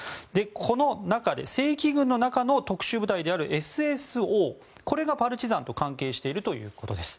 この中で正規軍の中の特殊部隊であるＳＳＯ、これがパルチザンと関係しているということです。